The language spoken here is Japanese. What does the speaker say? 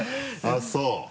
あっそう。